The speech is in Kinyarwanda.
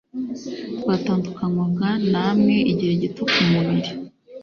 twatandukanywaga namwe igihe gito ku mubiri